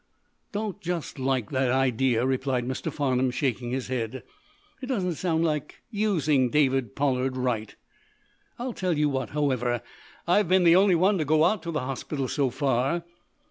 "Don't just like that idea," replied Mr. Farnum, shaking his head. "It doesn't sound just like using Dave Pollard right. I'll tell you what, however. I've been the only one to go out to the hospital, so far.